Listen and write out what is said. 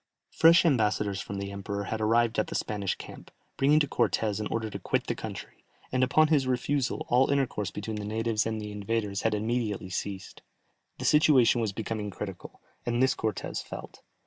Fresh ambassadors from the emperor had arrived at the Spanish camp, bringing to Cortès an order to quit the country, and upon his refusal all intercourse between the natives and the invaders had immediately ceased. The situation was becoming critical, and this Cortès felt.